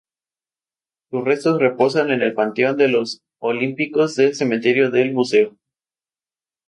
Sus restos reposan en el Panteón de los Olímpicos del Cementerio del Buceo.